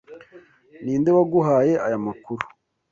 Ninde waguhaye aya makuru?